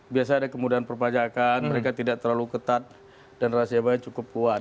biasanya ada kemudahan perpajakan mereka tidak terlalu ketat dan rahasia banyak cukup kuat